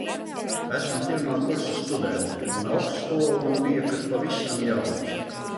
Esmu pirmā kursa studente, un augstskola man bija kas pavisam jauns.